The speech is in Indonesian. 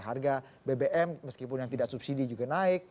harga bbm meskipun yang tidak subsidi juga naik